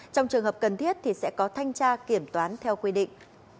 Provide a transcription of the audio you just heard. trong trường hợp cần thiết thì sẽ có thanh tra kiểm toán theo quy định